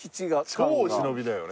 超お忍びだよね。